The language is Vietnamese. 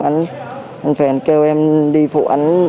anh phèn kêu em đi phụ anh